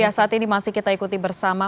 ya saat ini masih kita ikuti bersama